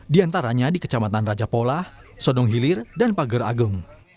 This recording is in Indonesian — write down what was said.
di antaranya di kecamatan raja pola sodong hilir dan pager agung